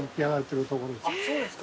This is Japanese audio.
そうですか。